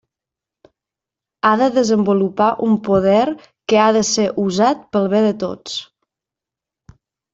Ha de desenvolupar un poder que ha de ser usat pel bé de tots.